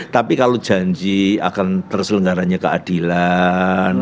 tapi kalau janji akan terselenggaranya keadilan